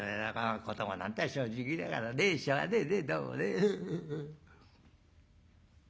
子どもなんて正直だからねしょうがねえねどうもね」。